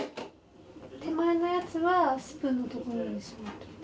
手前のやつはスプーンの所にしまっといて。